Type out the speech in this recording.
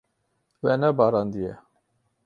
We nebarandiye.